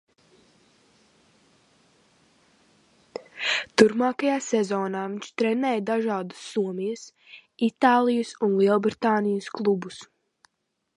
Turpmākajā sezonā viņš trenēja dažādus Somijas, Itālijas un Lielbritānijas klubus.